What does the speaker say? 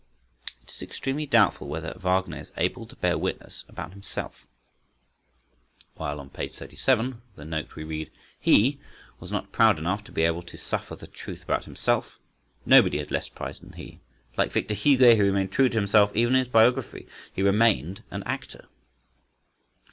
"It is extremely doubtful whether Wagner is able to bear witness about himself." While on p. 37 (the note), we read:—"He [Wagner] was not proud enough to be able to suffer the truth about himself. Nobody had less pride than he. Like Victor Hugo he remained true to himself even in his biography,—he remained an actor."